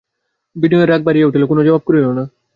বিনয়ের রাগ বাড়িয়া উঠিল, কোনো জবাব করিল না।